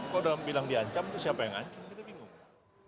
kalau sudah dibilang diancam siapa yang ngancam itu bingung